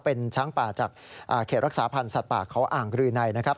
เป็นช้างป่าจากเขตรักษาพันธ์สัตว์ป่าเขาอ่างรืนัยนะครับ